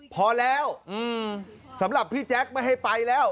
พอแล้วสำหรับพี่แจ๊คไม่ให้ไปแล้ว